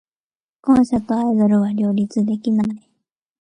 既婚者とアイドルは両立できない。